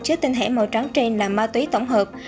chứa tinh thể màu trắng trên là ma túy tổng hợp